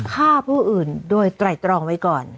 ฆ่าผู้อื่นโดยไตรตรองไว้ก่อน